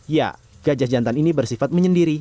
ya gajah jantan ini bersifat menyendiri